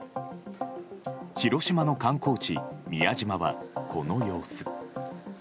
広島の観光地宮島はこの様子。